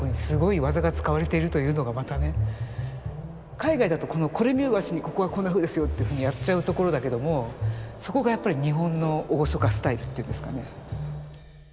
海外だとこれ見よがしに「ここはこんなふうですよ」ってふうにやっちゃうところだけどもそこがやっぱり日本の「厳かスタイル」っていうんですかね。